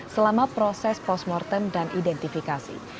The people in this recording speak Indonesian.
selama proses postmortem dan identifikasi